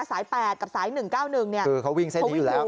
สาย๘กับสาย๑๙๑เนี่ยคือเขาวิ่งเส้นนี้อยู่แล้ว